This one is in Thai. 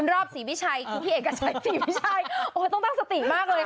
ชอบสีพี่ชัยพี่เอกกะชัยสีพี่ชัย